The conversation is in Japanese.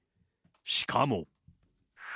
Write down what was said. しかも。